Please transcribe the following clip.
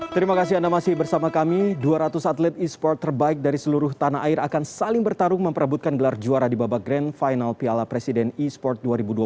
terima kasih anda masih bersama kami dua ratus atlet e sport terbaik dari seluruh tanah air akan saling bertarung memperebutkan gelar juara di babak grand final piala presiden e sport dua ribu dua puluh tiga